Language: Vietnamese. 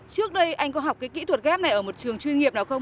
trước đây anh có học cái kỹ thuật ghép này ở một trường chuyên nghiệp nào không